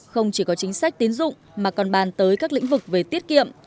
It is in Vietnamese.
không chỉ có chính sách tín dụng mà còn bàn tới các lĩnh vực về tiết kiệm